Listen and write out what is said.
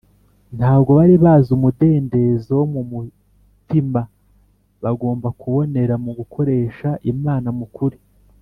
. Ntabwo bari bazi umudendezo wo mu mutima bagombaga kubonera mu gukorera Imana mu kuri